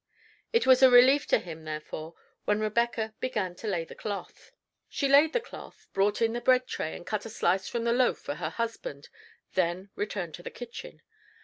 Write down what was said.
It was a relief to him, therefore, when Rebecca began to lay the cloth. She laid the cloth, brought in the bread tray, and cut a slice from the loaf for her husband, then returned to the kitchen.